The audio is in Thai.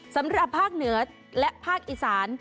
สำหรับภาคเหนือและภาคอีสาน